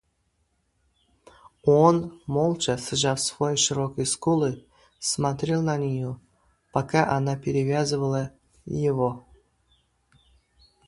Он, молча сжав свои широкие скулы, смотрел на нее, пока она перевязывала его.